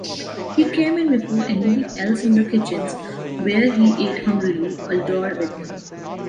He came in before anything else in the kitchens, where he ate hungrily, Uldor with him.